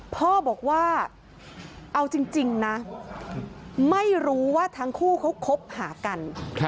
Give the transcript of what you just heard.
พ่อบอกว่าเอาจริงนะไม่รู้ว่าทั้งคู่เขาคบหากัน